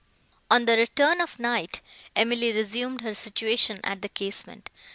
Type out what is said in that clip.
On the return of night, Emily resumed her station at the casement.